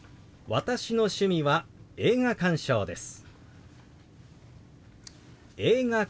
「私の趣味は映画鑑賞です」。